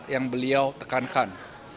yang beliau tekankan